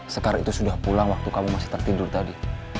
sekarang itu sudah pulang waktu kamu masih tertidur tadi